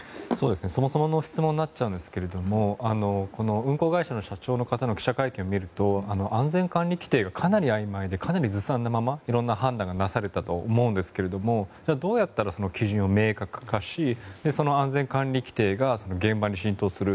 そもそもの質問になっちゃうんですけど運航会社社長の記者会見を見ると安全管理規程がかなりあいまいでかなりずさんなままいろんな判断がなされたと思うんですけどどうやったら基準を明確化し安全管理規程が現場に浸透する。